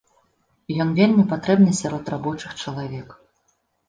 Ён вельмі патрэбны сярод рабочых чалавек.